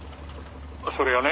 それがね